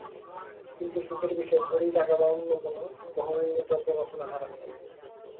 কিন্তু সুখের বিষয়, ঘড়ি টাকা বা অন্য কোনো বহুমূল্য দ্রব্য কখনো হারান নাই।